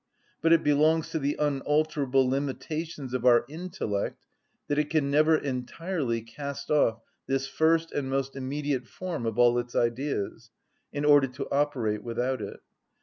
But it belongs to the unalterable limitations of our intellect that it can never entirely cast off this first and most immediate form of all its ideas, in order to operate without it.